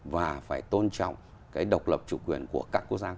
và phải tôn trọng cái độc lập chủ quyền của các quốc gia